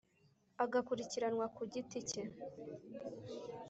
agakurikiranwa ku giti cye